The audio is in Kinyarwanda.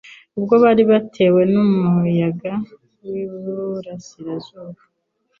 Ubwo bari batewe n’umuyaga w’iburasirazuba